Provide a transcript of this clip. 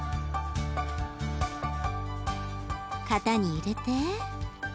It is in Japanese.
型に入れて。